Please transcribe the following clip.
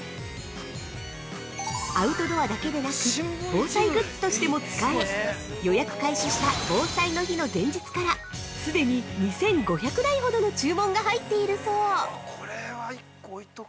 アウトドアだけでなく防災グッズとしても使え予約開始した防災の日の前日からすでに２５００台ほどの注文が入っているそう。